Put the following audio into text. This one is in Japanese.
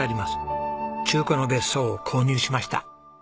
中古の別荘を購入しました。